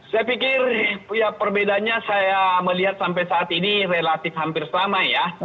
saya pikir ya perbedaannya saya melihat sampai saat ini relatif hampir sama ya